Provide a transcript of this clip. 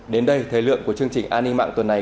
đến đây thời lượng của chương trình an ninh mạng tuần này